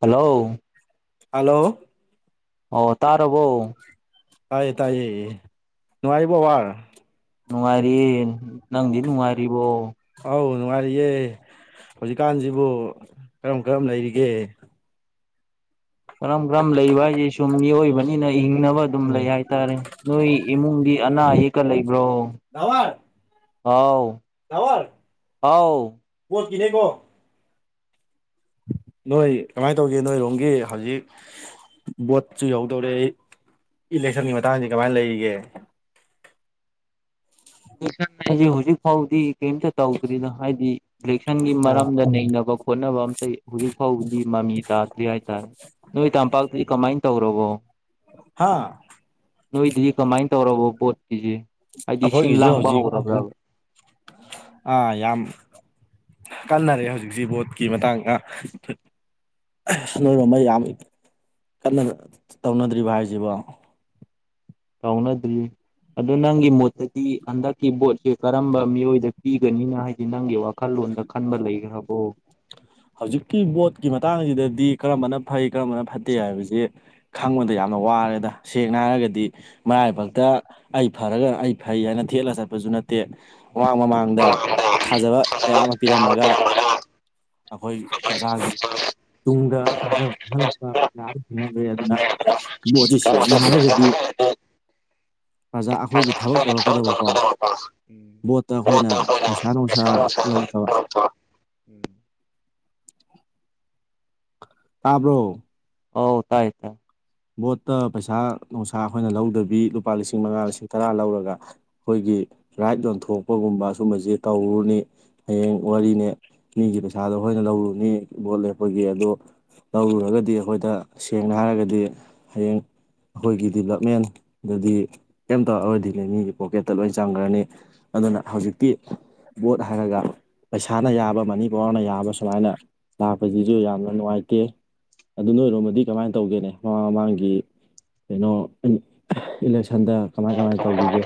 Hello hello ꯑꯣ ꯇꯥꯔꯕꯣ ꯇꯥꯏꯌꯦ ꯇꯥꯏꯌꯦ ꯅꯨꯪꯉꯥꯏꯔꯤꯕꯤ ꯕꯥꯔ ꯅꯨꯡꯉꯥꯏꯔꯤꯌꯦ ꯅꯪꯗꯤ ꯅꯨꯡꯉꯥꯏꯔꯤꯕꯣ ꯑꯧ ꯅꯨꯡꯉꯥꯏꯔꯤꯌꯦ ꯍꯧꯖꯤꯛꯀꯥꯟꯁꯤꯕꯨ ꯀꯔꯝ ꯀꯔꯝ ꯂꯩꯔꯤꯒꯦ ꯀꯔꯝ ꯀꯔꯝ ꯂꯩꯕ ꯍꯥꯏꯁꯦ ꯁꯨꯝ ꯃꯤꯑꯣꯏꯕꯅꯤꯅ ꯍꯤꯡꯅꯕ ꯗꯨꯝ ꯂꯩ ꯎꯝ ꯍꯥꯏꯇꯥꯔꯦ ꯅꯣꯏ ꯏꯃꯨꯡꯒꯤ ꯑꯅꯥ ꯑꯌꯦꯛꯀ ꯂꯩꯕ꯭ꯔꯣ ꯗꯥꯋꯔ ꯍꯥꯎ ꯍꯥꯎ [unintelligible] ꯅꯣꯏ ꯀꯃꯥꯏꯅ ꯇꯧꯒꯦ ꯅꯣꯏꯔꯣꯝꯒꯤ ꯍꯧꯖꯤꯛ ꯚꯣꯠꯁꯨ ꯌꯧꯗꯧꯔꯦ ꯏꯂꯦꯛꯁꯟꯒꯤ ꯃꯇꯥꯡꯁꯤ ꯀꯃꯥꯏꯅ ꯂꯩꯔꯤꯒꯦ [unintelligible] ꯍꯧꯖꯤꯛ ꯐꯥꯎꯗꯤ ꯀꯩꯝꯇ ꯇꯧꯗ꯭ꯔꯤꯗ ꯍꯥꯏꯗꯤ ꯏꯂꯦꯛꯁꯟꯒꯤ ꯑꯣ ꯃꯔꯝꯗ ꯅꯩꯅꯕ ꯈꯣꯠꯅꯕ ꯑꯩ ꯍꯧꯖꯤꯛ ꯐꯥꯎꯕꯗꯤ ꯃꯃꯤ ꯇꯥꯗ꯭ꯔꯤ ꯍꯥꯏꯇꯥꯔꯦ ꯅꯣꯏ ꯇꯝꯄꯥꯛꯇꯗꯤ ꯀꯃꯥꯏꯅ ꯇꯧꯔꯕꯣ ꯍꯥꯥ ꯅꯣꯏꯗꯤ ꯀꯃꯥꯏꯅ ꯇꯧꯔꯕꯣ ꯚꯣꯠꯀꯤꯁꯦ ꯍꯥꯏꯗꯤ ꯁꯤꯟ ꯑꯈꯣꯏꯒꯤꯁꯨ ꯂꯥꯡꯕ ꯍꯧꯖꯤꯛ ꯍꯧꯔꯕ꯭ꯔꯥ ꯑꯥ ꯌꯥꯝ ꯀꯟꯅꯔꯦ ꯍꯧꯖꯤꯛꯁꯤ ꯕꯣꯠꯀꯤ ꯃꯇꯥꯡꯒ ꯅꯣꯏꯔꯣꯝ ꯃꯩ ꯌꯥꯝ ꯀꯟꯅ ꯇꯧꯅꯗ꯭ꯔꯤꯕ ꯍꯥꯏꯁꯤꯕꯣ ꯇꯧꯅꯗ꯭ꯔꯤ ꯑꯗꯨ ꯅꯪꯒꯤ ꯃꯣꯠꯇꯗꯤ ꯍꯟꯗꯛꯀꯤ ꯕꯣꯠꯁꯦ ꯀꯔꯝꯕ ꯃꯤꯑꯣꯏꯗ ꯄꯤꯒꯅꯤꯅ ꯍꯥꯏꯗꯤ ꯅꯪꯒꯤ ꯋꯥꯈꯜꯂꯣꯟꯗ ꯈꯟꯕ ꯂꯩꯈ꯭ꯔꯕꯣ ꯍꯧꯖꯤꯛꯀꯤ ꯚꯣꯠꯀꯤ ꯃꯇꯥꯡꯁꯤꯗꯗꯤ ꯀꯔꯝꯕꯅ ꯐꯩ ꯀꯔꯝꯕꯅ ꯐꯠꯇꯦ ꯍꯥꯏꯕꯖꯦ ꯈꯪꯕꯗ ꯌꯥꯝꯅ ꯋꯥꯔꯦꯗ ꯁꯦꯡꯅ ꯍꯥꯏꯔꯒꯗꯤ ꯃꯔꯥꯏꯕꯛꯇ ꯑꯩ ꯐꯔꯒ ꯑꯩ ꯐꯩ ꯍꯥꯏꯅ ꯊꯦꯠꯂ ꯆꯠꯄꯁꯨ ꯅꯠ ꯇꯦ ꯃꯃꯥꯡ ꯃꯃꯥꯡꯗ ꯊꯥꯖꯕ ꯀꯌꯥ ꯑꯃ ꯄꯤꯔꯝꯃꯒ ꯑꯈꯣꯏꯒꯤ ꯄ꯭ꯔꯖꯥꯒꯤ ꯇꯨꯡꯗ ꯊꯥꯖꯕ ꯃꯥꯡꯍꯜꯂꯛꯄ ꯃꯌꯥꯝ ꯊꯦꯡꯅꯒ꯭ꯔꯦ ꯑꯗꯨꯅ ꯕꯣꯠꯁꯦ ꯁꯦꯡꯅ ꯍꯥꯏꯔꯒꯗꯤ ꯄ꯭ꯔꯖꯥ ꯑꯈꯣꯏꯒꯤ ꯊꯕꯛ ꯇꯧꯔꯛꯀꯗꯕꯀꯣ ꯎꯝ ꯚꯣꯠꯇ ꯈꯣꯏꯅ ꯄꯩꯁꯥ ꯅꯨꯡꯁꯥ ꯂꯧꯗꯕ [inaudible] ꯇꯥꯕ꯭ꯔꯣ꯫ ꯑꯣ ꯇꯥꯏꯌꯦ ꯇꯥꯏꯌꯦ꯫ ꯕꯣꯠꯇ ꯄꯩꯁꯥ ꯅꯨꯡꯁꯥ ꯑꯩꯈꯣꯏꯅ ꯂꯧꯗꯕꯤ ꯂꯨꯄꯥ ꯂꯤꯁꯤꯡ ꯃꯉꯥ ꯂꯤꯁꯤꯡ ꯇꯔꯥ ꯂꯧꯔꯒ꯫ ꯑꯩꯈꯣꯏꯒꯤ ꯔꯥꯏꯠ ꯌꯣꯟꯊꯣꯛꯄꯒꯨꯝꯕ ꯁꯨꯝꯕꯁꯤ ꯇꯧꯔꯨꯅꯤ ꯍꯌꯦꯡ ꯋꯥꯔꯤꯅꯤ꯫ ꯃꯤꯒꯤ ꯄꯩꯁꯥꯗꯣ ꯑꯈꯣꯏꯅ ꯂꯧꯔꯨꯅꯤ ꯕꯣꯠ ꯂꯦꯞꯄꯒꯤ ꯑꯗꯣ꯫ ꯂꯧꯔꯨꯔꯒꯗꯤ ꯑꯩꯈꯣꯏꯗ ꯁꯦꯡꯅ ꯍꯥꯏꯔꯒꯗꯤ ꯍꯌꯦꯡ ꯑꯩꯈꯣꯏꯒꯤ ꯗꯤꯕꯂꯞꯃꯦꯟꯗꯗꯤ ꯀꯩꯝ ꯇꯧꯔꯛꯔꯣꯏꯗꯤꯉꯩ ꯃꯤꯒꯤ ꯄꯣꯀꯦꯠꯇ ꯂꯣꯏ ꯆꯪꯈ꯭ꯔꯅꯤ ꯑꯗꯨꯅ ꯍꯧꯖꯤꯛꯇꯤ ꯚꯣꯠ ꯍꯥꯏꯔꯒ ꯄꯩꯁꯥꯅ ꯌꯥꯕ ꯃꯅꯤ ꯄꯋꯥꯔꯅ ꯌꯥꯕ ꯁꯨꯃꯥꯏꯅ ꯂꯥꯛꯄꯁꯤꯁꯨ ꯌꯥꯝꯅ ꯅꯨꯡꯉꯥꯏꯇꯦ ꯑꯗꯨ ꯅꯣꯏꯔꯣꯝꯃꯗꯤ ꯀꯃꯥꯏꯅ ꯇꯧꯒꯦꯅꯦ ꯃꯃꯥꯡꯒꯤ ꯀꯩꯅꯣ ꯏꯂꯦꯛꯁꯟꯗ ꯀꯃꯥꯏ ꯀꯃꯥꯏ ꯇꯧꯈꯤꯒꯦ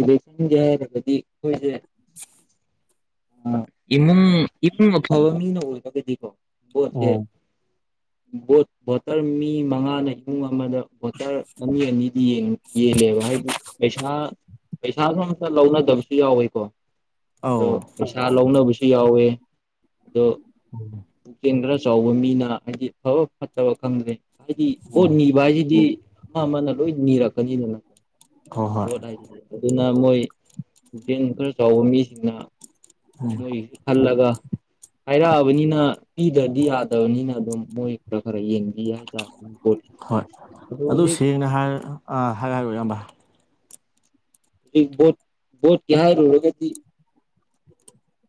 [inaudible] ꯏꯂꯦꯛꯁꯟꯒꯤ ꯍꯥꯏꯔꯒꯗꯤ ꯈꯣꯏꯁꯦ [inaudible] ꯑꯥ ꯏꯃꯨꯡ ꯏꯃꯨꯡ ꯑꯐꯕ ꯃꯤꯅ ꯑꯣꯏꯔꯒꯗꯤꯀꯣ ꯚꯣꯠꯁꯦ ꯑꯣ ꯚꯣꯠ ꯚꯣꯇꯔ ꯃꯤ ꯃꯉꯥꯅ ꯏꯃꯨꯡ ꯑꯃꯗ ꯚꯣꯇꯔ ꯑꯅꯤ ꯑꯅꯤꯗꯤ ꯌꯦꯜꯂꯦꯕ ꯍꯥꯏꯗꯤ ꯄꯩꯁꯥ꯫ ꯄꯩꯁꯥꯗꯣ ꯑꯝꯇ ꯂꯧꯅꯗꯕꯁꯨ ꯌꯥꯎꯋꯦꯀꯣ ꯑꯗꯣ ꯑꯧ ꯄꯩꯁꯥ ꯂꯧꯅꯕꯁꯨ꫰꫰ ꯌꯥꯎꯋꯦ ꯑꯗꯣ꫰꫰ ꯎꯝ꯫ ꯄꯨꯛꯆꯦꯜ ꯈꯔ ꯆꯥꯎꯕ ꯃꯤꯅ ꯍꯥꯏꯗꯤ ꯐꯕ ꯐꯠꯇꯕ ꯈꯪꯗ꯭ꯔꯦ꯫ ꯍꯥꯏꯗꯤ ꯕꯣꯠ ꯍꯣꯏ ꯅꯤꯕ ꯍꯥꯏꯁꯤꯗꯤ ꯑꯃ ꯑꯃꯅ ꯂꯣꯏ ꯅꯤꯔꯛꯀꯅꯤꯗꯅ꯫ ꯍꯣꯏ ꯕꯣꯠ ꯍꯥꯏꯁꯤꯗꯤ ꯑꯗꯨꯅ ꯃꯣꯏ ꯄꯨꯛꯆꯦꯜ ꯈꯔ ꯆꯥꯎꯕ ꯃꯤꯁꯤꯡꯅ꯫ ꯎꯝ ꯃꯣꯏ꯫ ꯈꯜꯂꯒ ꯍꯥꯏꯔꯛꯑꯕꯅꯤꯅ ꯄꯤꯗ꯭ꯔꯗꯤ ꯌꯥꯗꯕꯅꯤꯅ ꯑꯗꯨꯝ ꯃꯣꯏ ꯈꯔ ꯈꯔ ꯌꯦꯡꯕ꯫ ꯍꯣꯏ [unintelligible] ꯑꯗꯨ ꯍꯧꯖꯤ꯫ ꯁꯦꯡꯅ ꯍꯥꯏ ꯑꯥ ꯍꯥꯏꯔꯣ ꯍꯥꯏꯔꯣ ꯏꯌꯥꯝꯕ꯫ ꯕꯣꯠ ꯕꯣꯠꯀꯤ ꯍꯥꯏꯔꯨꯔꯒꯗꯤ꯫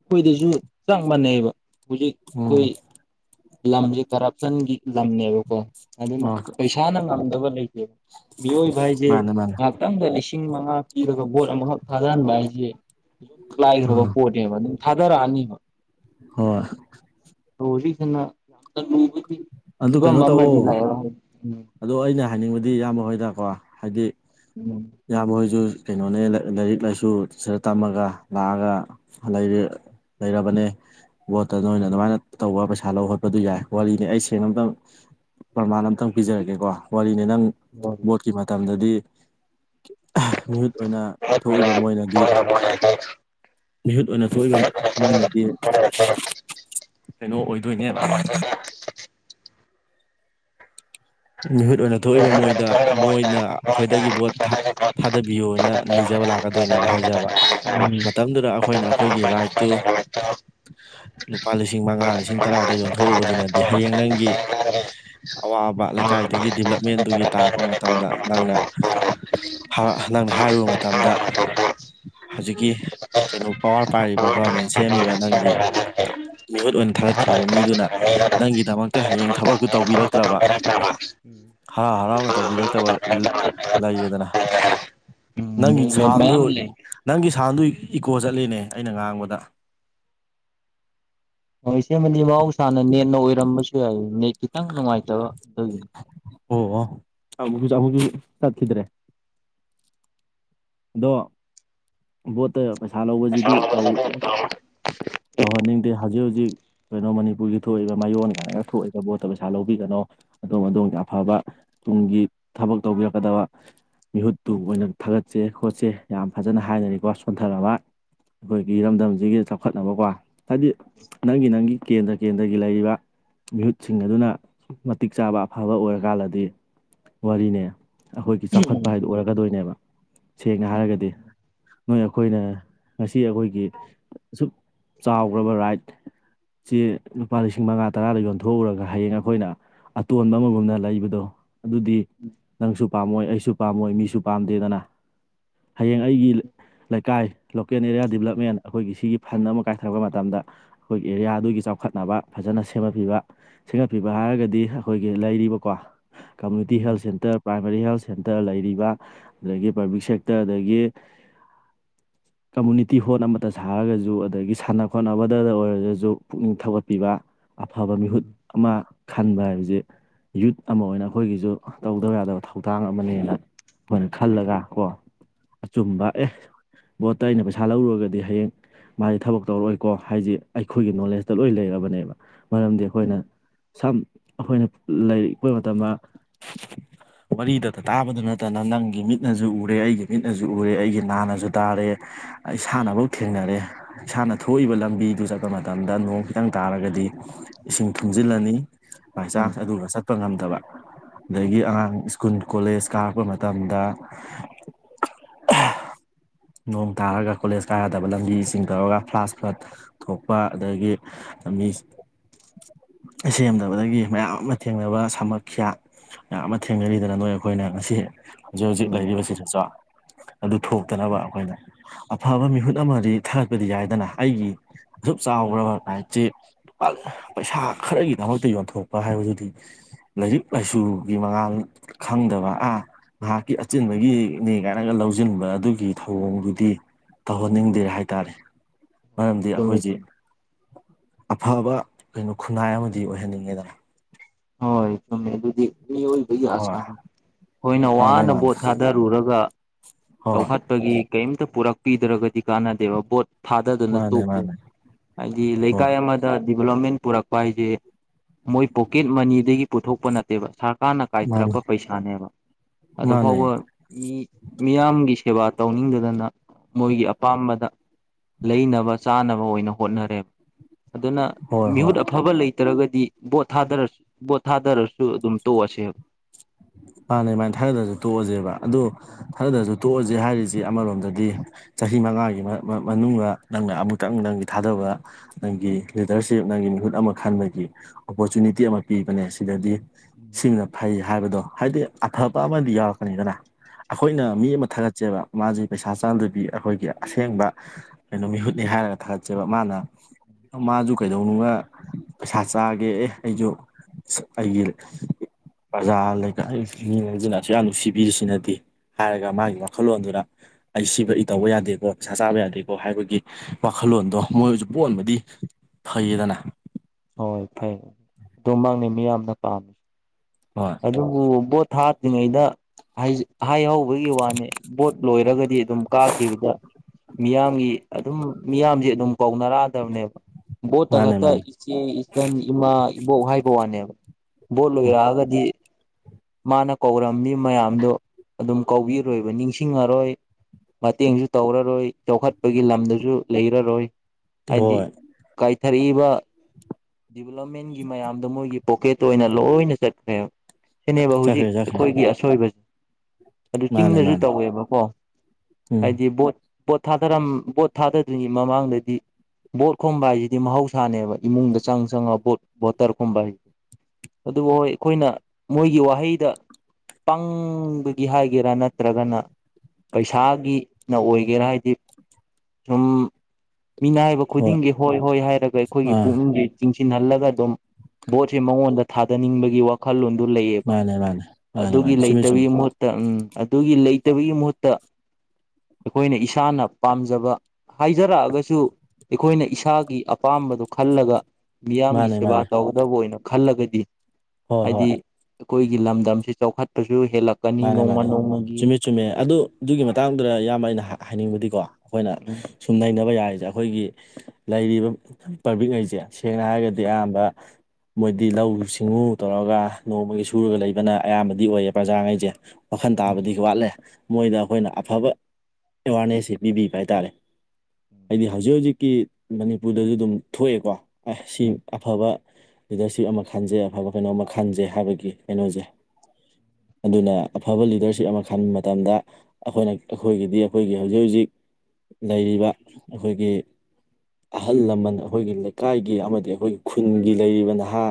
ꯑꯩꯈꯣꯏꯗꯁꯨ ꯆꯞ ꯃꯥꯟꯅꯩ ꯌꯦꯕ ꯍꯧꯖꯤꯛ꯫ ꯎꯝ꯫ ꯑꯩꯈꯣꯏ ꯂꯝꯁꯦ ꯀꯔꯞꯁꯟꯒꯤ ꯂꯝꯅꯦꯕꯀꯣ ꯑꯗꯨꯅ ꯑꯣ ꯄꯩꯁꯥꯅ ꯉꯝꯗꯕ ꯂꯩꯇꯦꯕ꯫ ꯃꯤꯑꯣꯏꯕ ꯍꯥꯏꯁꯦ ꯃꯥꯅꯦ ꯃꯥꯅꯦ ꯉꯥꯏꯍꯥꯛꯇꯪꯗ ꯂꯤꯁꯤꯡ ꯃꯉꯥ ꯄꯤꯔꯒ ꯕꯣꯠ ꯑꯃꯈꯛ ꯊꯥꯗꯍꯟꯕ ꯍꯥꯏꯁꯦ꯫ ꯂꯥꯏꯈ꯭ꯔꯕ ꯎꯝ ꯄꯣꯠꯅꯦꯕ ꯑꯗꯨꯝ ꯊꯥꯗꯔꯑꯅꯦꯕ꯫ ꯍꯣꯏ ꯑꯗꯨ ꯀꯩꯅꯣ ꯇꯧꯋꯣ [unintelligible] ꯑꯗꯣ ꯑꯩꯅ ꯍꯥꯏꯅꯤꯡꯕꯗꯤ ꯏꯌꯥꯝꯕ ꯍꯣꯏꯗꯀꯣ ꯍꯥꯏꯗꯤ ꯎꯝ ꯏꯌꯥꯝꯕ ꯍꯣꯏꯁꯨ ꯀꯩꯅꯣꯅꯦ ꯂꯥꯏꯔꯤꯛ ꯂꯥꯏꯁꯨ ꯈꯔ ꯇꯝꯃꯒ ꯂꯥꯛꯑꯒ ꯂꯩꯔꯤ ꯂꯩꯔꯕꯅꯦ ꯕꯣꯠꯇ ꯅꯣꯏꯅ ꯑꯗꯨꯃꯥꯏꯅ ꯇꯧꯕ ꯄꯩꯁꯥ ꯂꯧ ꯈꯣꯠꯄꯗꯨ ꯌꯥꯏ ꯋꯥꯔꯤꯅꯤ ꯑꯩꯁꯦ ꯍꯦꯡ ꯑꯇꯪ ꯄ꯭ꯔꯃꯥꯟ ꯑꯝꯇꯪ ꯄꯤꯖꯔꯒꯦꯀꯣ ꯋꯥꯔꯤꯅꯤ ꯅꯪ [unintelligible] ꯕꯣꯠꯀꯤ ꯃꯇꯝꯗꯗꯤ ꯃꯤꯍꯨꯠ ꯑꯣꯏꯅ ꯊꯣꯛꯏꯕ ꯃꯣꯏꯅꯗꯤ ꯃꯤꯍꯨꯠ ꯑꯣꯏꯅ ꯊꯣꯛꯏꯕ ꯑꯣꯏꯅꯗꯤ ꯀꯩꯅꯣ ꯑꯣꯏꯗꯣꯏꯅꯦꯕ ꯃꯤꯍꯨꯠ ꯑꯣꯏꯅ ꯊꯣꯛꯏꯕ ꯃꯣꯏꯗ ꯃꯣꯏꯅ ꯑꯩꯈꯣꯏꯗꯒꯤ ꯚꯣꯠ ꯊꯥꯗꯕꯤꯌꯣꯅ ꯅꯤꯖꯕ ꯂꯥꯛꯀꯗꯣꯏꯅꯦꯕ ꯍꯥꯏꯖꯕ ꯃꯇꯝꯗꯨꯗ ꯑꯩꯈꯣꯏꯅ ꯑꯩꯈꯣꯏꯒꯤ ꯔꯥꯏꯠ꯫ ꯇꯨ ꯂꯨꯄꯥ ꯂꯤꯁꯤꯡ ꯃꯉꯥ ꯂꯤꯁꯤꯡ ꯇꯔꯥꯗ ꯌꯣꯟꯊꯣꯛꯎꯕꯗꯨꯅꯗꯤ ꯍꯌꯦꯡ ꯅꯪꯒꯤ ꯑꯋꯥꯕ ꯂꯩꯀꯥꯏꯗꯨꯒꯤ ꯗꯤꯕꯂꯞꯃꯦꯟꯗꯨꯒꯤ ꯇꯥꯔꯛꯄ ꯃꯇꯝꯗ ꯅꯪꯅ ꯅꯪꯅ ꯍꯥꯏꯔꯨꯕ ꯃꯇꯝꯗ ꯍꯧꯖꯤꯛꯀꯤ ꯀꯩꯅꯣ ꯄꯋꯥꯔ ꯄꯥꯏꯔꯤꯕ ꯒꯃꯦꯟ ꯁꯦꯝꯃꯤꯕ ꯅꯪꯒꯤ ꯃꯤꯍꯨꯠ ꯑꯣꯏꯅ ꯑꯍꯜ ꯊꯥꯒꯠꯈ꯭ꯔꯤꯕ ꯃꯤꯗꯨꯅ ꯑꯣꯏꯔꯛꯄ ꯅꯪꯒꯤꯗꯃꯛꯇ ꯍꯌꯦꯡ ꯊꯕꯛꯇꯨ ꯍꯦꯟꯅ ꯊꯕꯛꯇꯣ ꯇꯧꯕꯤꯔꯛꯇ꯭ꯔꯕ [unintelligible] ꯍꯔꯥꯎ ꯍꯔꯥꯎꯅ ꯇꯧꯕꯤꯔꯛꯇꯕ ꯂꯩꯌꯦꯗꯅ ꯅꯪꯒꯤ ꯎꯝ ꯎꯝ ꯁꯥꯎꯟꯗꯣ ꯃꯌꯥꯝ ꯂꯩ ꯅꯪꯒꯤ ꯁꯥꯎꯟꯗꯣ ꯏꯀꯣ ꯆꯠꯂꯤꯅꯦ ꯑꯩꯅ ꯉꯥꯡꯕꯗ ꯏꯆꯦꯃꯗꯤ ꯃꯍꯧꯁꯥꯅ ꯅꯦꯠꯅ ꯑꯣꯏꯔꯝꯕꯁꯨ ꯌꯥꯏ ꯅꯦꯠ ꯈꯤꯇꯪ ꯅꯨꯡꯉꯥꯏꯇꯕ ꯑꯗꯨꯒꯤꯅꯤ ꯑꯣ ꯑꯣ ꯑꯃꯨꯛ ꯑꯃꯨꯛꯁꯨ ꯆꯠꯈꯤꯗ꯭ꯔꯦ꯫ ꯑꯗꯣ ꯕꯣꯠꯇ ꯄꯩꯁꯥ ꯂꯧꯕꯁꯤꯗꯤ ꯇꯧꯒ ꯇꯧꯍꯟꯅꯤꯡꯗꯦ ꯍꯧꯖꯤꯛ ꯍꯧꯖꯤꯛ ꯀꯩꯅꯣ ꯃꯅꯤꯄꯨꯔꯒꯤ ꯊꯣꯛꯏꯕ ꯃꯌꯣꯟ ꯀꯥꯏꯅꯒ ꯊꯣꯛꯏꯕ ꯕꯣꯠꯇ ꯄꯩꯁꯥ ꯂꯧꯕꯤꯒꯅꯣ ꯑꯗꯣꯝ ꯑꯗꯣꯝꯒꯤ ꯑꯐꯕ ꯇꯨꯡꯒꯤ ꯊꯕꯛ ꯇꯧꯕꯤꯔꯛꯀꯗꯕ ꯃꯤꯍꯨꯠꯇꯨ ꯑꯣꯏꯅ ꯊꯥꯒꯠꯁꯦ ꯈꯣꯠꯁꯦ ꯌꯥꯝ ꯐꯖꯅ ꯍꯥꯏꯅꯔꯤꯀꯣ ꯁꯣꯟꯊꯔꯕ꯫ ꯑꯩꯈꯣꯏꯒꯤ ꯏꯔꯝꯗꯝꯁꯤꯒꯤ ꯆꯥꯎꯈꯠ ꯅꯀꯣ ꯍꯥꯏꯗꯤ ꯅꯪꯒꯤ ꯅꯪꯒꯤ ꯀꯦꯟꯗ꯭ꯔ ꯀꯦꯟꯗ꯭ꯔꯒꯤ ꯂꯩꯔꯤꯕ ꯃꯤꯍꯨꯠꯁꯤꯡ ꯑꯗꯨꯅ ꯃꯇꯤꯛ ꯆꯥꯕ ꯑꯐꯕ ꯑꯣꯏꯔꯀꯥꯟꯂꯗꯤ ꯋꯥꯔꯤꯅꯦ ꯑꯩꯈꯣꯏꯒꯤ ꯆꯥꯎꯈꯠꯄ ꯍꯥꯏꯗꯨꯣ ꯑꯣꯏꯔꯒꯗꯣꯏꯅꯦꯕ ꯁꯦꯡꯅ ꯍꯥꯏꯔꯒꯗꯤ ꯅꯣꯏ ꯑꯩꯈꯣꯏꯅ ꯉꯁꯤ ꯑꯩꯈꯣꯏꯒꯤ ꯑꯁꯨꯛ ꯆꯥꯎꯈ꯭ꯔꯕ ꯔꯥꯏꯠ ꯆꯦ ꯂꯨꯄꯥ ꯂꯤꯁꯤꯡ ꯃꯉꯥ ꯇꯔꯥꯗ ꯌꯣꯟꯊꯣꯛꯎꯔꯒ ꯍꯌꯦꯡ ꯑꯩꯈꯣꯏꯅ ꯑꯇꯣꯟꯕ ꯑꯃꯒꯝꯅ ꯂꯩꯕꯗꯣ ꯑꯗꯨꯗꯤ ꯅꯪꯁꯨ ꯄꯥꯝꯃꯣꯏ ꯑꯩꯁꯨ ꯄꯥꯝꯃꯣꯏ ꯃꯤꯁꯨ ꯄꯥꯝꯗꯦꯗꯅ ꯍꯌꯦꯡ ꯑꯩꯒꯤ ꯂꯩꯀꯥꯏ ꯂꯣꯀꯦꯜ ꯑꯦꯔꯤꯌꯥ ꯗꯤꯕꯂꯄꯃꯦꯟ ꯑꯩꯈꯣꯏꯒꯤ ꯁꯤꯒꯤ ꯐꯟ ꯑꯃ ꯀꯥꯏꯊꯔꯛꯄ ꯃꯇꯝꯗ ꯑꯩꯈꯣꯏꯒꯤ ꯑꯦꯔꯤꯌꯥꯗꯨꯒꯤ ꯆꯥꯎꯈꯠꯅꯕ ꯐꯖꯅ ꯁꯦꯝꯃꯕꯤꯕ ꯁꯦꯝꯒꯠꯄꯤꯕ ꯍꯥꯏꯔꯒꯗꯤ ꯑꯩꯈꯣꯏꯒꯤ ꯂꯩꯔꯤꯕꯀꯣ community health centre primary health centre ꯂꯩꯔꯤꯕ ꯑꯗꯨꯗꯒꯤ ꯄꯥꯕ꯭ꯂꯤꯛ ꯁꯦꯛꯇꯔ ꯑꯗꯒꯤ ꯀꯝꯃꯨꯅꯤꯇꯤ ꯍꯣꯜ ꯑꯃꯠꯇ ꯁꯥꯔꯒꯖꯨ ꯑꯗꯨ ꯁꯥꯟꯅ ꯈꯣꯠꯅꯕꯗ ꯑꯣꯏꯔꯒꯁꯨ ꯄꯨꯛꯅꯤꯡ ꯊꯧꯒꯠꯄꯤꯕ ꯑꯐꯕ ꯃꯤꯍꯨꯠ ꯑꯃ ꯈꯟꯕ ꯍꯥꯏꯕꯁꯦ ꯌꯨꯠ ꯑꯃ ꯑꯣꯏꯅ ꯑꯩꯈꯣꯏꯒꯤꯁꯨ ꯇꯧꯗꯕ ꯌꯥꯗꯕ ꯊꯧꯗꯥꯡ ꯑꯃꯅꯦꯅ ꯑꯗꯨꯃꯥꯏꯅ ꯈꯜꯂꯒ ꯀꯣ ꯑꯆꯨꯝꯕ ꯑꯦ ꯕꯣꯠꯇ ꯑꯩꯅ ꯄꯩꯁꯥ ꯂꯧꯔꯨꯔꯒꯗꯤ ꯍꯌꯦꯡ ꯃꯥꯖꯦ ꯊꯕꯛ ꯇꯧꯔꯛꯑꯣꯏꯀꯣ ꯍꯥꯏꯁꯤ ꯑꯩꯈꯣꯏꯒꯤ ꯅꯣꯂꯦꯖꯇ ꯂꯣꯏ ꯂꯩꯔꯕꯅꯦꯕ ꯃꯔꯝꯗꯤ ꯑꯩꯈꯣꯏꯅ ꯁꯝ ꯑꯩꯈꯣꯏꯅ ꯂꯔꯤꯛꯄ ꯃꯇꯝꯗ ꯃꯔꯤꯗꯇ ꯇꯥꯕꯗ ꯅꯠꯇꯅ ꯅꯪꯒꯤ ꯃꯤꯠꯅꯁꯨ ꯎꯔꯦ ꯑꯩꯒꯤ ꯃꯤꯠꯅꯁꯨ ꯎꯔꯦ ꯑꯩꯒꯤ ꯅꯥꯖꯨ ꯇꯥꯔꯦ ꯑꯩ ꯁꯥꯟꯅꯕꯧ ꯊꯦ ꯊꯦꯡꯅꯔꯦ ꯏꯁꯥꯅ ꯊꯣꯛꯏꯕ ꯂꯝꯕꯤꯗꯨ ꯆꯠꯄ ꯃꯇꯝꯗ ꯅꯣꯡ ꯈꯤꯇꯪ ꯇꯥꯔꯒꯗꯤ ꯏꯁꯤꯡ ꯊꯨꯝꯖꯤꯜꯂꯅꯤ ꯕꯥꯏ ꯆꯥꯟꯁ ꯑꯗꯨꯒ ꯆꯠꯄ ꯉꯝꯗꯕ ꯑꯗꯒꯤ ꯑꯉꯥꯡ ꯁ꯭ꯀꯨꯜ ꯁ꯭ꯀꯨꯜ ꯀꯣꯂꯦꯖ ꯀꯥꯔꯛꯄ ꯃꯇꯝꯗ ꯅꯣꯡ ꯇꯥꯔꯒ ꯀꯣꯂꯦꯖ ꯀꯥ ꯂꯝꯕꯤꯁꯤꯡ ꯇꯧꯔꯒ ꯐ꯭ꯂꯥꯁ ꯐ꯭ꯂꯠ ꯊꯣꯛꯄ ꯑꯗꯒꯤ ꯂꯝꯕꯤ ꯁꯦꯝꯗꯕꯗꯒꯤ ꯃꯌꯥꯝ ꯑꯃ ꯊꯦꯡꯅꯕ ꯁꯥꯃꯈꯤꯌꯥ ꯃꯌꯥꯝ ꯑꯃ ꯊꯦꯡꯅꯔꯤꯗꯅ ꯅꯣꯏ ꯑꯩꯈꯣꯏꯅ ꯉꯁꯤ ꯍꯧꯖꯤꯛ ꯍꯧꯖꯤꯛ ꯂꯩꯔꯤꯕꯁꯤꯗꯁꯨ ꯑꯗꯨ ꯊꯣꯛꯇꯅꯕ ꯑꯩꯈꯣꯏꯅ ꯑꯐꯕ ꯃꯤꯍꯨꯠ ꯑꯃꯗꯤ ꯊꯥꯒꯠꯄꯗꯤ ꯌꯥꯏꯗꯅ ꯑꯩꯒꯤ ꯑꯁꯨꯛ ꯆꯥꯎꯈ꯭ꯔꯕ ꯔꯥꯏꯠꯁꯤ ꯄꯩꯁꯥ ꯈꯔꯒꯤꯗꯃꯛꯇ ꯌꯣꯟꯊꯣꯛꯄ ꯍꯥꯏꯕꯗꯨꯗꯤ ꯂꯥꯏꯔꯤꯛ ꯂꯥꯏꯁꯨꯒꯤ ꯃꯉꯥꯜ ꯈꯪꯗꯕ ꯑꯥ ꯉꯥꯏꯍꯥꯛꯀꯤ ꯑꯆꯤꯟꯕꯒꯤꯅꯤ ꯀꯥꯏꯅꯒ ꯂꯧꯁꯤꯟꯕꯒ ꯑꯗꯨꯒꯤ ꯊꯧꯑꯣꯡꯗꯨꯗꯤ ꯇꯧꯍꯟꯅꯤꯡꯗꯦ ꯍꯥꯏꯇꯥꯔꯦ ꯃꯔꯝꯗꯤ ꯆꯨꯝꯃꯦ ꯑꯩꯈꯣꯏꯖꯤ ꯆꯨꯝꯃꯦ ꯑꯐꯕ ꯀꯩꯅꯣ ꯈꯨꯟꯅꯥꯏ ꯑꯃꯗꯤ ꯑꯣꯏꯍꯟꯒꯦꯗꯅ ꯍꯣꯏ ꯆꯨꯃꯦ ꯑꯗꯨꯗꯤ ꯃꯤꯑꯣꯏꯕꯒꯤ ꯍꯣꯏ ꯑꯁꯥꯅꯤ ꯑꯩꯈꯣꯏꯅ ꯃꯥꯅꯦ ꯋꯥꯅ ꯃꯥꯅꯦ ꯚꯣꯠ ꯊꯥꯗꯔꯨꯔꯒ ꯍꯣꯏ ꯆꯥꯎꯈꯠ ꯒꯤ ꯀꯩꯔꯤꯝꯇ ꯄꯨꯔꯛꯄꯤꯗ꯭ꯔꯒꯗꯤ ꯀꯥꯟꯅꯗꯦꯕ ꯕꯣꯠ ꯐꯥꯗꯗꯅ ꯃꯥꯅꯦ ꯇꯣꯛꯈꯤꯕ ꯃꯥꯅꯦ ꯍꯥꯏꯗꯤ ꯍꯣꯏ ꯂꯩꯀꯥꯏ ꯑꯃ ꯗ ꯗꯤꯕꯂꯞꯃꯦꯟ ꯄꯨꯔꯛꯄ ꯍꯥꯏꯁꯦ ꯃꯣꯏ ꯄꯣꯀꯦꯠ ꯃꯅꯤꯗꯒꯤ ꯄꯨꯊꯣꯛꯄ ꯅꯠꯇꯦ ꯇꯦꯕ ꯁꯔꯀꯥꯔꯅ ꯃꯥꯅꯦ ꯀꯥꯏꯊꯔꯛꯄ ꯄꯩꯁꯥꯅꯦꯕ ꯃꯥꯅꯦ ꯑꯗꯨꯐꯥꯎꯕ ꯃꯤ ꯃꯤꯌꯥꯝꯒꯤ ꯁꯦꯕꯥ ꯇꯧꯅꯤꯡꯗꯗꯅ ꯃꯣꯏꯒꯤ ꯑꯄꯥꯝꯕꯗ ꯂꯩꯅꯕ ꯆꯥꯅꯕ ꯑꯣꯏꯅ ꯍꯣꯠꯅꯔꯦ ꯑꯗꯨꯅ ꯍꯣꯏ ꯃꯤꯍꯨꯠ ꯍꯣꯏ ꯑꯐꯕ ꯂꯩꯇ꯭ꯔꯒꯗꯤ ꯕꯣꯠ ꯊꯥꯗꯔꯁꯨꯣꯠ ꯊꯥꯗꯔꯁꯨ ꯑꯗꯨꯝ ꯇꯣꯛꯑꯁꯦꯕ ꯃꯥꯅꯦ ꯃꯥꯅ ꯊꯗꯔꯗꯖꯨ ꯇꯣꯛꯑꯁꯦꯕ ꯑꯗꯨ ꯈꯔꯗꯁꯨ ꯇꯣꯛꯑꯁꯦ ꯍꯥꯏꯔꯤꯁꯤ ꯑꯃꯔꯣꯝꯗꯗꯤ ꯆꯍꯤ ꯃꯉꯥꯒꯤ ꯃ ꯃ ꯃꯅꯨꯡꯗ ꯅꯪꯅ ꯑꯃꯨꯛꯇꯪ ꯅꯪꯒꯤ ꯊꯥꯗꯕ ꯅꯪꯒꯤ ꯂꯤꯗꯔꯁꯤꯞ ꯅꯪꯒꯤ ꯃꯤꯍꯨꯠ ꯑꯃ ꯈꯟꯕꯒꯤ ꯑꯣꯄꯣꯔꯆꯨꯅꯤꯇꯤ ꯑꯃ ꯄꯤꯕꯅꯦ ꯁꯤꯗꯗꯤ ꯁꯤꯅ ꯐꯩ ꯍꯥꯏꯕꯗꯣ ꯍꯥꯏꯗꯤ ꯑꯐꯕ ꯑꯃꯗꯤ ꯌꯥꯎꯔꯛꯀꯅꯤꯗꯅ ꯑꯩꯈꯣꯏꯅ ꯃꯤ ꯑꯃ ꯊꯥꯒꯠꯁꯦꯕ ꯃꯥꯖꯦ ꯄꯩꯁꯥ ꯆꯥꯗꯕꯤ ꯑꯩꯈꯣꯏꯒꯤ ꯑꯁꯦꯡꯕ ꯀꯩꯅꯣ ꯃꯤꯍꯨꯠꯅꯤ ꯍꯥꯏꯔꯒ ꯊꯥꯒꯠꯆꯦꯕ ꯃꯥꯅ ꯃꯥꯖꯨ ꯀꯩꯗꯧꯅꯨꯡꯗ ꯄꯩꯁꯥ ꯆꯥꯒꯦ ꯑꯦ ꯑꯩꯖꯨ ꯑꯩꯒꯤ ꯄ꯭ꯔꯖꯥ ꯂꯩ ꯑꯩꯁꯤ ꯃꯤꯉꯩꯒꯤꯅ ꯑꯁꯨꯛ ꯌꯥꯝ ꯅꯨꯡꯁꯤꯕꯤꯔꯤꯁꯤꯅꯗꯤ ꯍꯥꯏꯔꯒ ꯃꯥꯏ ꯋꯥꯈꯜꯂꯣꯟꯗꯨꯅ ꯑꯩ ꯁꯤꯕ ꯑꯩ ꯇꯧꯕ ꯌꯥꯗꯦꯀꯣ ꯄꯩꯁꯥ ꯆꯥꯕ ꯌꯥꯗꯦꯀꯣ ꯍꯥꯏꯕꯒꯤ ꯋꯥꯈꯜꯂꯣꯟꯗꯣ ꯃꯣꯏꯖꯨ ꯄꯣꯛꯑꯟꯕꯗꯤ ꯐꯩꯗꯅ ꯍꯣꯏ ꯐꯩ ꯑꯗꯨ ꯃꯛꯅꯤ ꯃꯤ ꯌꯥꯝꯅ ꯄꯥꯝꯃꯤ ꯍꯣꯏ ꯑꯗꯨꯕꯨ ꯕꯣꯠ ꯊꯥꯗꯤ ꯉꯩꯗ ꯍꯥꯏ ꯍꯥꯏꯍꯧ ꯑꯩꯈꯣꯏꯒꯤ ꯋꯥꯅꯦ ꯕꯣꯠ ꯂꯣꯏꯔꯒꯗꯤ ꯑꯗꯨꯝ ꯀꯥꯈꯤꯕꯗ ꯃꯤꯌꯥꯝꯒꯤ ꯑꯗꯨꯝ ꯃꯤꯌꯥꯝꯖꯦ ꯑꯗꯨꯝ ꯀꯧꯅꯔꯛꯑꯗꯕꯅꯦꯕ ꯕꯣꯠꯇ ꯃꯥꯅꯦ ꯈꯛꯇ ꯃꯥꯅꯦ ꯏꯆꯦ ꯏꯆꯟ ꯏꯃꯥ ꯏꯕꯣꯛ ꯍꯥꯏꯕꯩ ꯋꯥꯅꯦꯕ ꯕꯣꯠ ꯂꯣꯏꯔꯛꯑꯒꯗꯤ ꯃꯥꯅ ꯀꯧꯔꯝꯃꯤ ꯃꯌꯥꯝꯗꯣ ꯑꯗꯨꯝ ꯀꯧꯕꯤꯔꯣꯏꯕ ꯅꯤꯡꯁꯤꯡꯉꯔꯣꯏ ꯃꯇꯦꯡꯖꯨ ꯇꯧꯔꯔꯣꯏ ꯆꯥꯎꯈꯠꯄꯒꯤ ꯂꯝꯗꯖꯨ ꯂꯩꯔꯔꯣꯏ ꯍꯥꯏꯗꯤ ꯍꯣꯏ ꯀꯥꯏꯊꯔꯛꯏꯕ ꯗꯤꯚꯂꯞꯃꯦꯟꯒꯤ ꯃꯌꯥꯝꯗꯣ ꯃꯣꯏꯒꯤ ꯄꯣꯀꯦꯠꯇ ꯑꯣꯏꯅ ꯂꯣꯏꯅ ꯆꯠꯈ꯭ꯔꯦ ꯁꯤꯅꯦꯕ ꯍꯧꯖꯤꯛ ꯆꯠꯈ꯭ꯔꯦ ꯆꯠꯈ꯭ꯔꯦ ꯑꯩꯈꯣꯏꯒꯤ ꯑꯁꯣꯏꯕꯁꯦ ꯑꯗꯨ ꯃꯥꯅꯦ ꯆꯤꯡꯗꯖꯨ ꯃꯥꯅꯦ ꯇꯧꯋꯦꯕꯀꯣ ꯎꯝ ꯍꯥꯏꯗꯤ ꯕꯣꯠ ꯕꫭꯠ ꯊꯥꯗꯔꯝ ꯕꫭꯠ ꯊꯥꯗꯗ꯭ꯔꯤꯉꯤ ꯃꯃꯥꯡꯗꯗꯤ ꯕꯣꯠ ꯈꫭꯝꯕ ꯍꯥꯏꯖꯤꯗꯤ ꯃꯍꯧꯁꯥꯅꯦꯕ ꯏꯃꯨꯡꯗ ꯆꯪ ꯆꯪꯉꯒ ꯕꯣꯠ ꯕꯣꯇꯔ ꯈꫭꯝꯕ ꯍꯥꯏꯁꯤꯗꯤ ꯑꯗꯨꯕꯨ ꯍꫭꯏ ꯑꯩꯈꯣꯏꯅ ꯃꯣꯏꯒꯤ ꯋꯥꯍꯩꯗ ꯄꯪꯕꯒꯤ ꯍꯥꯏꯒꯦꯔꯥ ꯅꯠꯇ꯭ꯔꯒꯅ ꯄꯩꯁꯥꯒꯤꯅ ꯑꯣꯏꯒꯦꯔꯥ ꯍꯥꯏꯗꯤ ꯁꯨꯝ ꯃꯤꯅ ꯍꯥꯏꯕ ꯈꯨꯗꯤꯡꯒꯤ ꯍꯣꯏ ꯍꯣꯏ ꯍꯥꯏꯔꯒ ꯑꯩꯈꯣꯏꯒꯤ ꯑꯥ ꯄꯨꯛꯅꯤꯡꯒꯤ ꯆꯤꯡꯁꯤꯟꯍꯜꯂꯒ ꯑꯗꯨꯝ ꯕꯣꯠꯁꯦ ꯃꯉꯣꯟꯗ ꯊꯥꯗꯅꯤꯡꯕꯒꯤ ꯋꯥ ꯋꯥꯈꯜꯂꯣꯟꯗꯨ ꯂꯩꯌꯦꯕ ꯃꯥꯅꯦ ꯃꯥꯅꯦ ꯃꯥꯅꯦ ꯑꯗꯨꯒꯤ ꯃꯥꯅꯦ ꯆꯨꯝꯃꯦ ꯆꯨꯝꯃꯦ ꯂꯩꯇꯕꯒꯤ ꯃꯍꯨꯠ ꯇ ꯎꯝ ꯑꯗꯨꯒꯤ ꯂꯩꯇꯕꯒꯤ ꯃꯍꯨꯠꯇ ꯑꯩꯈꯣꯏꯅ ꯏꯁꯥꯅ ꯄꯥꯝꯖꯕ ꯍꯥꯏꯖꯔꯛꯑꯒꯁꯨ ꯑꯩꯈꯣꯏꯅ ꯏꯁꯥꯒꯤ ꯑꯄꯥꯝꯕꯗꫭ ꯈꯜꯂꯒ ꯃꯤꯌꯥꯝꯒꯤ ꯃꯥꯅꯦ ꯁꯦꯕꯥ ꯃꯥꯅꯦ ꯇꯧꯒꯗꯕ ꯑꯣꯏꯅ ꯈꯜꯂꯒꯗꯤ ꯍꯣꯏ ꯍꯥꯏꯗꯤ ꯍꯣꯏ ꯑꯩꯈꯣꯏꯒꯤ ꯂꯝꯗꯝꯁꯤ ꯆꯥꯎꯈꯠꯄꯁꯨ ꯍꯦꯜꯂꯛ ꯃꯥꯅꯦ ꯃꯥꯅꯦ ꯆꯨꯝꯃꯦ ꯆꯨꯝꯃꯦ ꯑꯗꯨ ꯑꯗꯨꯒꯤ ꯃꯇꯥꯡꯗꯨꯔ ꯏꯌꯥꯝꯕ ꯑꯩꯅ ꯍꯥ ꯍꯥꯏꯅꯤꯡꯕꯗꯤꯀꯣ ꯑꯩꯈꯣꯏꯅ ꯁꯨꯝ ꯅꯩꯅꯕ ꯌꯥꯔꯤꯖꯦ ꯑꯩꯈꯣꯏꯒꯤ ꯂꯩꯔꯤꯕ ꯄꯕ꯭ꯂꯤꯛꯉꯩꯖꯦ ꯁꯦꯡꯅ ꯍꯥꯏꯔꯒꯗꯤ ꯑꯌꯥꯝꯕ ꯃꯣꯏꯗꯤ ꯂꯧꯎ ꯁꯤꯡꯎ ꯇꯧꯔꯒ ꯅꯣꯡꯃꯒꯤ ꯁꯨꯔꯒ ꯂꯩꯕꯅ ꯑꯌꯥꯝꯕꯗꯤ ꯑꯣꯏꯌꯦ ꯄ꯭ꯔꯖꯥꯒꯩ ꯖꯦ ꯋꯥꯈꯜ ꯇꯥꯕꯗꯤ ꯋꯥꯠꯂꯦ ꯃꯣꯏꯗ ꯑꯩꯈꯣꯏꯅ ꯑꯐꯕ ꯑꯦꯋꯥꯔꯅꯦꯁꯁꯤ ꯄꯤꯕꯤꯕ ꯍꯥꯏꯇꯥꯔꯦ ꯍꯥꯏꯗꯤ ꯍꯧꯖꯤꯛ ꯍꯧꯖꯤꯛꯀꯤ ꯃꯅꯤꯄꯨꯔꯗꯖꯨ ꯑꯗꯨꯝ ꯊꯣꯛꯑꯦꯀꯣ ꯑ ꯁꯤ ꯑꯐꯕ ꯂꯤꯗꯔꯁꯤꯞ ꯑꯃ ꯈꯟꯖꯦ ꯑꯐꯕ ꯀꯩꯅꯣ ꯑꯃ ꯈꯟꯖꯦ ꯍꯥꯏꯕꯒꯤ ꯀꯩꯅꯣꯖꯦ ꯑꯗꯨꯅ ꯑꯐꯕ ꯂꯤꯗꯔꯁꯤꯞ ꯑꯃ ꯈꯟꯕ ꯃꯇꯝꯗ ꯑꯩꯈꯣꯏꯅ ꯑꯩꯈꯣꯏꯒꯤꯗꯤ ꯑꯩꯈꯣꯏꯒꯤ ꯍꯧꯖꯤ ꯍꯧꯖꯤꯛ ꯂꯩꯔꯤꯕ ꯑꯩꯈꯣꯏꯒꯤ ꯑꯍꯜ ꯂꯃꯟ ꯑꯩꯈꯣꯏꯒꯤ ꯂꯩꯀꯥꯏꯒꯤ ꯑꯃꯗꯤ ꯑꯩꯈꯣꯏꯒꯤ ꯈꯨꯟꯒꯤ ꯂꯩꯔꯤꯕ ꯅꯍꯥ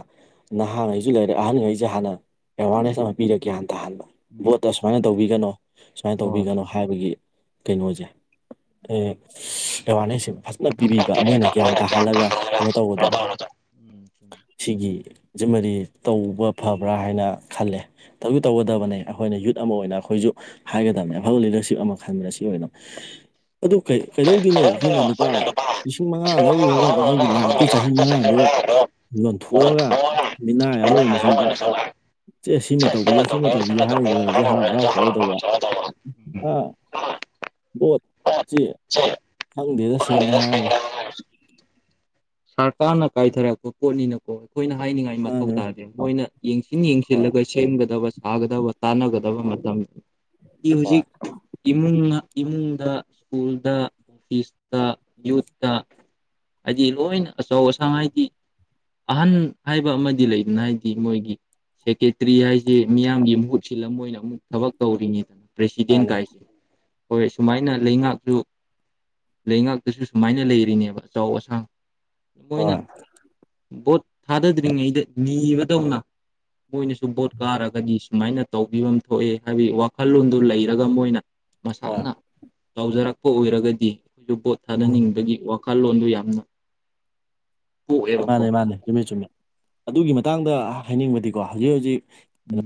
ꯅꯍꯥꯉꯩꯁꯨ ꯂꯩꯔꯦ ꯑꯍꯟꯒꯩꯁꯦ ꯍꯥꯟꯅ ꯑꯦꯋꯥꯔꯅꯦꯁ ꯑꯃ ꯄꯤꯔꯛꯒꯦ ꯍꯟꯊꯍꯟꯕ ꯚꯣꯠꯇ ꯁꯨ ꯁꯨꯃꯥꯏꯅ ꯇꯧꯕꯤꯒꯅꯣ ꯁꯨꯃꯥꯏꯅ ꯑꯣ ꯇꯧꯕꯤꯒꯅꯣ ꯍꯥꯏꯕꯒꯤ ꯀꯩꯅꯣꯖꯦ ꯑꯦ ꯑꯦꯋꯥꯔꯅꯦꯁꯁꯦ ꯐꯖꯅ ꯄꯤꯕꯤꯕ ꯃꯣꯏꯅ ꯒ꯭ꯌꯥꯟ ꯇꯥꯍꯜꯂꯒ ꯀꯩꯅꯣ ꯇꯧꯕꯗꯣ ꯎꯝ ꯁꯤꯒꯤ ꯖꯤꯃꯗꯤ ꯇꯧꯕ ꯐꯕ꯭ꯔꯥ ꯍꯥꯏꯅ ꯈꯜꯂꯦ ꯇꯧ ꯇꯧꯒꯗꯕꯅꯦ ꯑꯩꯈꯣꯏꯅ ꯌꯨꯠ ꯑꯃ ꯑꯣꯏꯅ ꯑꯩꯈꯣꯏꯖꯨ ꯍꯥꯏꯒꯗꯕꯅꯦ ꯑꯐꯕ ꯂꯤꯗꯔꯁꯤꯞ ꯑꯃ ꯈꯟꯕꯗ ꯁꯤ ꯑꯣꯏꯅ [unintelligible] ꯑꯗꯨ ꯀꯩ ꯀꯩꯗꯧ ꯗꯣꯏꯅꯣ ꯑꯩꯈꯣꯏꯅ ꯂꯨꯄꯥ ꯂꯤꯁꯤꯡ ꯃꯉꯥ ꯂꯧꯔꯨꯔꯒ ꯑꯩꯈꯣꯏꯒꯤ ꯂꯥꯏꯕꯇꯨ ꯆꯍꯤ ꯃꯉꯥꯗꯨ ꯌꫭꯟꯊꯣꯛꯑꯒ ꯃꯤꯅꯥꯏ ꯑꯃ ꯑꯣꯏꯅꯁꯨꯝ ꯑꯥ ꯆꯦ ꯁꯤꯃ ꯇꯧꯕꯤꯌꯨ ꯁꯤꯃ ꯆꯨꯝꯃꯤ ꯇꯧꯕꯤꯌꯨ ꯍꯥꯏꯔꯨꯔꯁꯨ ꯍꯔꯥꯎ ꯍꯔꯥꯎꯊꯣꯛꯑꯣꯏ ꯇꯧꯕ [unintelligible] [unintelligible] ꯈꯪꯗꯦꯗ ꯁꯦꯡꯅ ꯍꯥꯏꯒ ꯁꯔꯀꯥꯔꯅ ꯀꯥꯏꯊꯔꯛꯄ ꯄꯣꯠꯅꯤꯅꯀꯣ ꯑꯩꯈꯣꯏꯅ ꯍꯥꯏꯅꯤꯡꯉꯥꯏ ꯃꯊꯧ ꯃꯥꯅꯦ ꯇꯥꯔꯁꯦ ꯃꯣꯏꯅ ꯌꯦꯡꯁꯤꯟ ꯍꯣꯏ ꯌꯦꯡꯁꯤꯜꯂꯒ ꯁꯦꯝꯒꯗꯕ ꯁꯥꯒꯗꯕ ꯇꯥꯟꯅꯒꯗꯕ ꯃꯇꯝ ꯍꯣꯏ ꯍꯧꯖꯤꯛ ꯏꯃꯨꯡꯅ ꯏꯃꯨꯡꯗ ꯁ꯭ꯀꯨꯜꯗ ꯑꯣꯐꯤꯁꯇ ꯌꯨꯛꯇ ꯍꯥꯏꯗꯤ ꯂꯣꯏꯅ ꯑꯆꯧ ꯑꯁꯥꯡ ꯍꯥꯏꯗꯤ ꯑꯍꯟ ꯍꯥꯏꯕ ꯑꯃꯗꯤ ꯂꯩꯗꯅ ꯍꯥꯏꯗꯤ ꯃꯣꯏꯒꯤ ꯁꯦꯀꯦꯇꯔꯤ ꯍꯥꯏꯁꯦ ꯃꯤꯌꯥꯝꯒꯤ ꯃꯍꯨꯠ ꯁꯤꯜꯂ ꯃꯣꯢꯅ ꯑꯃꯨꯛ ꯊꯕꯛ ꯇꯧꯔꯤꯅꯤꯗꯅ ꯄꯦꯁꯤꯗꯦꯟ ꯃꯥꯅꯦ ꯀꯥꯏꯁꯦ ꯍꯣꯏ ꯁꯨꯃꯥꯏꯅ ꯂꯩꯉꯥꯛꯁꯨ ꯂꯩꯉꯥꯛꯇꯁꯨ ꯁꯨꯃꯥꯏꯅ ꯂꯩꯔꯤꯅꯦꯕ ꯑꯆꯧ ꯑꯁꯥꯡ ꯃꯣꯏꯅ ꯍꯣꯏ ꯕꯣꯠ ꯊꯥꯗꯗ꯭ꯔꯤꯉꯩꯗ ꯅꯤꯕꯗꯧꯅ ꯃꯣꯏꯅꯁꯨ ꯕꯣꯠ ꯀꯥꯔꯒꯗꯤ ꯁꯨꯃꯥꯏꯅ ꯇꯧꯕꯤꯚꯝ ꯊꯣꯛꯑꯦ ꯍꯥꯏꯕꯩ ꯋꯥꯈꯜꯂꯣꯟꯗꯣ ꯂꯩꯔꯒ ꯃꯣꯏꯅ ꯍꯣꯏ ꯃꯁꯥꯅ ꯇꯧꯖꯔꯛꯄ ꯑꯣꯏꯔꯒꯗꯤ ꯑꯩꯈꯣꯏꯁꯨ ꯚꯣꯠ ꯎꯝ ꯊꯥꯅꯅꯤꯡꯕꯒꯤ ꯋꯥꯈꯜꯂꯣꯟꯗꯨ ꯌꯥꯝꯅ ꯄꯣꯛꯑꯦ ꯃꯥꯅꯦ ꯃꯥꯅꯦ ꯆꯨꯝꯃꯦ ꯆꯨꯝꯃꯦ ꯑꯗꯨꯒꯤ ꯃꯇꯥꯡꯗ ꯍꯥꯏꯅꯤꯡꯕꯗꯤꯀꯣ ꯍꯧꯖꯤꯛ ꯍꯧꯖꯤꯛ ꯎꯝ